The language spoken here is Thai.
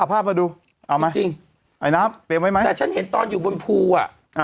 ภาพมาดูเอาไหมจริงไอ้น้ำเตรียมไว้ไหมแต่ฉันเห็นตอนอยู่บนภูอ่ะ